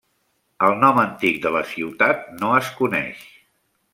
El nom antic de la ciutat no es coneix.